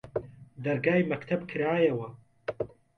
دەرگای مەکتەب کرایەوە